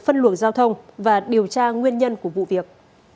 phân luồng giao thông và điều tra nguyên nhân của vụ việc